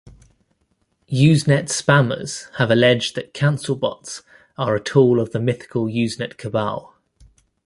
Usenet spammers have alleged that cancelbots are a tool of the mythical Usenet cabal.